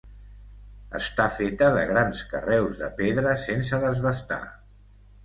Està feta de grans carreus de pedra sense desbastar.